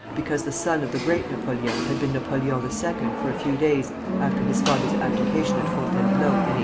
because the son of the Great Napoleon had been Napoleon II. for a few days after his father's abdication at Fontainebleau in 1814.